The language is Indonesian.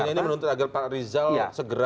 ini menuntut agar pak rizal segera